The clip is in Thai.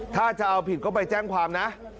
ถ้าจะเอาผิดก็ไปแจ้งความนะ